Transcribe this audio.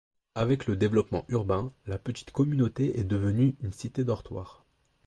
Avec le développement urbain, la petite communauté est devenue une cité dortoir.